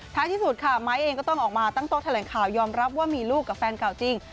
ที่สุดค่ะไม้เองก็ต้องออกมาตั้งโต๊ะแถลงข่าวยอมรับว่ามีลูกกับแฟนเก่าจริง